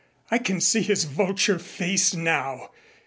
"I can see his vulture face now.